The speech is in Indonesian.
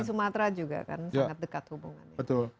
sangat dekat hubungannya